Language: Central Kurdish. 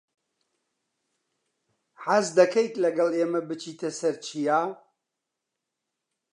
حەز دەکەیت لەگەڵ ئێمە بچیتە سەر چیا؟